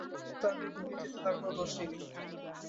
এমনিতে, এতে তার কোন দোষই নেই।